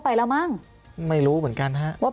ปล่อยโฮ